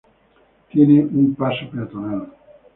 Tiene un paso peatonal.